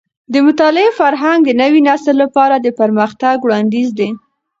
د مطالعې فرهنګ د نوي نسل لپاره د پرمختګ وړاندیز دی.